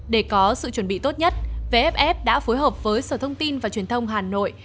để có sự chuẩn bị tốt nhất vff đã phối hợp với sở thông tin và truyền thông hà nội